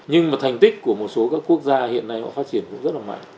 nhưng mà thành tích của một số các quốc gia hiện nay họ phát triển cũng rất là mạnh